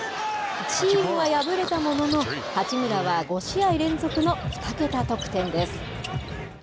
チームは敗れたものの、八村は５試合連続の２桁得点です。